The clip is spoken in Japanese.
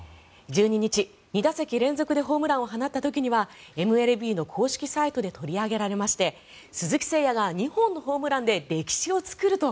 １２日、２打席連続でホームランを放った時にはＭＬＢの公式サイトで取り上げられまして鈴木誠也が２本のホームランで歴史を作ると。